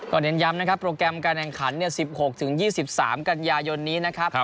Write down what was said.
เน้นย้ำนะครับโปรแกรมการแข่งขัน๑๖๒๓กันยายนนี้นะครับ